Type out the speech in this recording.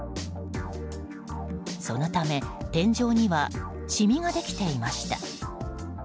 そのため、天井にはしみができていました。